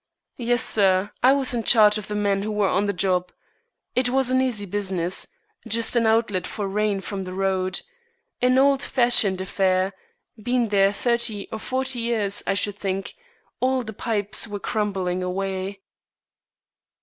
"Yes, sir. I was in charge of the men who were on the job. It was an easy business. Just an outlet for rain from the road. An old fashioned affair; been there thirty or forty years, I should think; all the pipes were crumbling away."